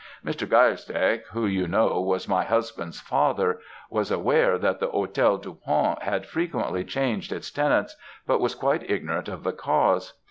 "Mr. G., who, you know, was my husband's father, was aware that the Hôtel du Pont had frequently changed its tenants, but was quite ignorant of the cause.